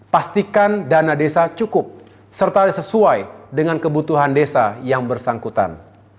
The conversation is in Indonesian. pastikan dana desa cukup serta sesuai dengan kebutuhan desa yang bersangkutan